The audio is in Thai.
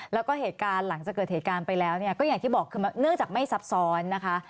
แล้วก็เหตุการณ์หลังจากเกิดเหตุการณ์ไปแล้วเนี่ยก็อย่างที่บอกคือเนื่องจากไม่ซับซ้อนนะคะ